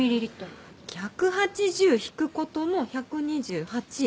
１８０引く事の１２８。